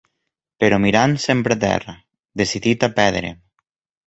Però mirant sempre a terra, decidit a perdre'm